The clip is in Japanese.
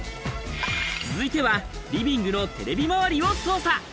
続いてはリビングのテレビ周りを捜査。